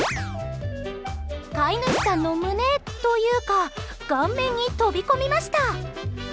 飼い主さんの胸というか顔面に飛び込みました。